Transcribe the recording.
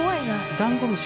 ダンゴムシ。